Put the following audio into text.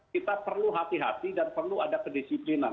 kita perlu hati hati dan perlu ada kedisiplinan